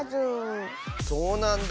そうなんだ。